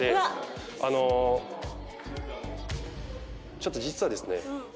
ちょっと実はですね